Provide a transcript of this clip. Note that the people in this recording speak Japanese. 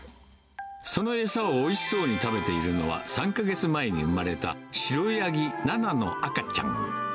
その餌をおいしそうに食べているのは、３か月前に生まれた、白ヤギ、ナナの赤ちゃん。